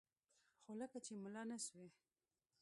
خو لکه چې ملا نه سوې.